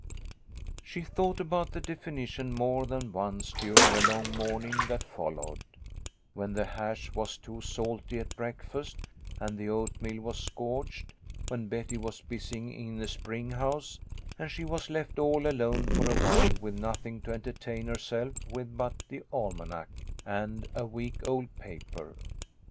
She thought about the definition more than once during the long morning that followed ; when the hash was too salty at breakfast, and the oatmeal was scorched ; when Betty was busy in the spring house, and she was left all alone for awhile with nothing to entertain herself with but the almanac and a week old paper.